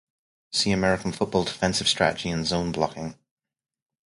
See American football defensive strategy and zone blocking.